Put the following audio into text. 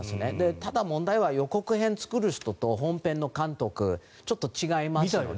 ただ、問題は予告編を作る人と本編の監督ちょっと違いますので。